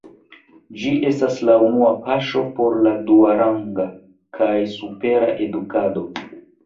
Ĝi estas la unua paŝo por la duaranga kaj supera edukado.